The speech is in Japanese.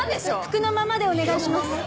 服のままでお願いします。